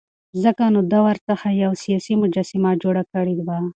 ځکه نو ده ورڅخه یوه سیاسي مجسمه جوړه کړې وه.